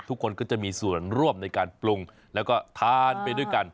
ทุกคนก็จะมีส่วนร่วมในการปรุงแล้วก็ทานไปด้วยกัน